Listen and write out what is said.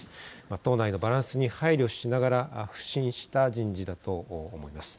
党内のバランスに配慮しながら腐心した人事だと思います。